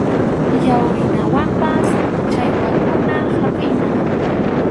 Yawrinawanpas challwakuna hapʼina.